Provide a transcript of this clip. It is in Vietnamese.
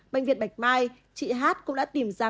bệnh viện bạch mai chị hát cũng đã tìm ra